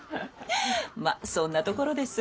まそんなところです。